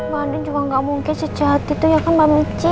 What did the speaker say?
mbak andin juga gak mungkin sejahat itu ya kan mbak michi